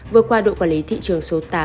vừa qua đội quản lý thị trường số tám